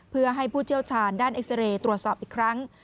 เพื่อให้ผู้เชี่ยวชาญด้านเอ็กซาเรย์ตรวจสอบอีกครั้ง